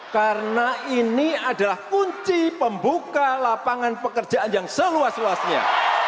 karena ini adalah kunci pembuka lapangan pekerjaan yang seluas luasnya